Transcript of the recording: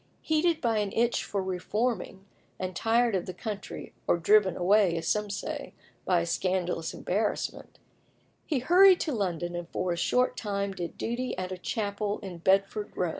Heated by an itch for reforming, and tired of the country, or driven away, as some say, by a scandalous embarrassment, he hurried to London, and for a short time did duty at a chapel in Bedford Row.